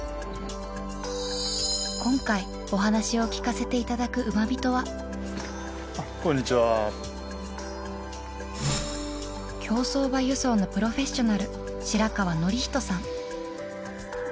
今回お話を聞かせていただくウマビトはこんにちは競走馬輸送のプロフェッショナル白川典人さん